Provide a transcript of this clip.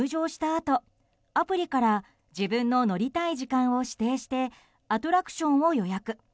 あとアプリから自分の乗りたい時間を指定してアトラクションを予約。